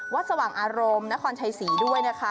สว่างอารมณ์นครชัยศรีด้วยนะคะ